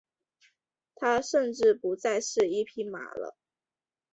他甚至不再是一匹马了。